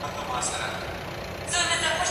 خدای مي تاج وو پر تندي باندي لیکلی